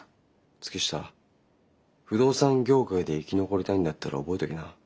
月下不動産業界で生き残りたいんだったら覚えておきな。